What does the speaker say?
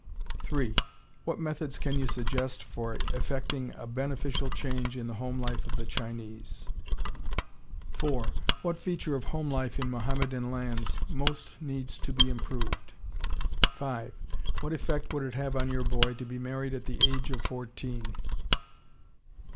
3. What methods can you suggest for effecting a beneficial change in the home life of the Chinese? 4. What feature of home life in Mohammedan lands most needs to be improved? 5. What effect would it have on your boy to be married at the age of fourteen?